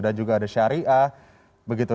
dan juga ada syariah begitu